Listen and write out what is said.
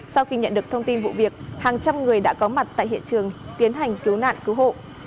sau khi nhận được thông tin vụ việc hàng trăm người đã có mặt tại hiện trường tiến hành cứu nạn cứu hộ